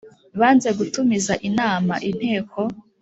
banze gutumiza inama Inteko